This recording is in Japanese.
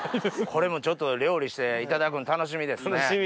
これも料理していただくの楽しみですね。